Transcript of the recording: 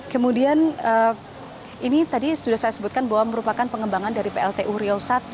kemudian ini tadi sudah saya sebutkan bahwa merupakan pengembangan dari pltu riau i